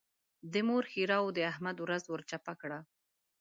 د مور ښېراوو د احمد ورځ ور چپه کړه.